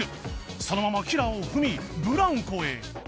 そのままキラーを踏みブランコへ